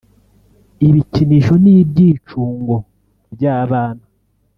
ibikinisho n’ibyicungo by’abana